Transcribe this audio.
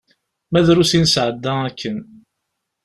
Ma drus i nesɛedda akken.